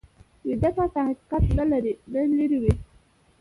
ویده کس د حقیقت نه لرې وي